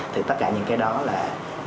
thì tất cả những cái đó là